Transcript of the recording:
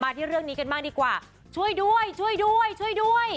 ที่เรื่องนี้กันบ้างดีกว่าช่วยด้วยช่วยด้วยช่วยด้วย